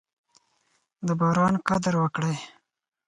د باران قدر وکړئ.